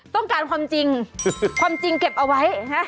ต้องการความจริงความจริงเก็บเอาไว้